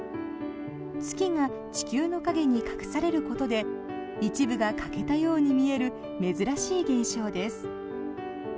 月が地球の陰に隠されることで一部が欠けたように見える珍しい現象です。